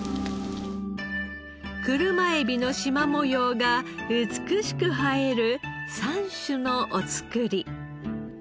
車エビのしま模様が美しく映える３種のお造り。